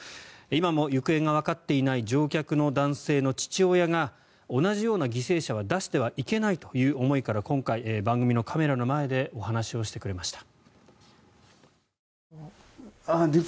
今も行方がわかっていない乗客の男性の父親が同じような犠牲者は出してはいけないという思いから今回、番組のカメラの前でお話をしてくれました。